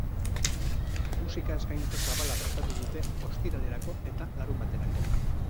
Musika-eskaintza zabala prestatu dute ostiralerako eta larunbaterako.